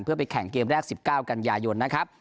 เพื่อไปแข่งเกมแรก๑๙กันยายนนะครับ